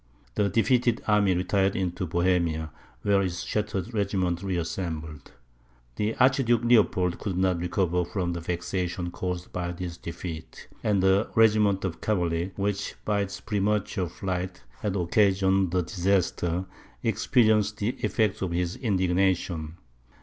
The defeated army retired into Bohemia, where its shattered regiments reassembled. The Archduke Leopold could not recover from the vexation caused by this defeat; and the regiment of cavalry which, by its premature flight, had occasioned the disaster, experienced the effects of his indignation.